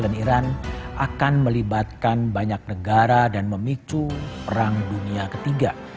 dan iran akan melibatkan banyak negara dan memicu perang dunia ketiga